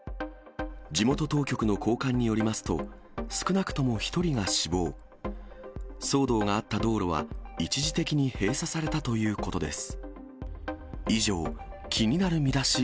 地元当局の高官によりますと、少なくとも１人が死亡、騒動があった道路は、一時的に閉鎖されたということです。